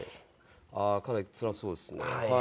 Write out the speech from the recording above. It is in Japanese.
あー、かなりつらそうですね。